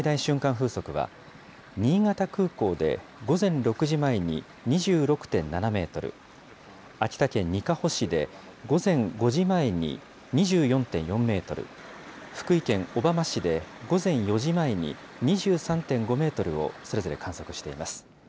風速は、新潟空港で午前６時前に２６．７メートル、秋田県にかほ市で午前５時前に２４．４メートル、福井県小浜市で午前４時前に２３．５メートルを、それぞれ観測しています。